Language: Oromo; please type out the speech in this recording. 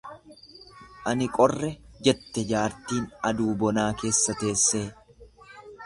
Ani qorre jette jaartiin aduu bonaa keessa teessee.